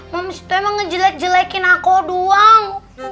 moms itu emang ngejelek jelekin aku doang